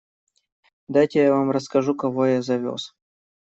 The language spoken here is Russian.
Дайте я вам расскажу, кого я завез.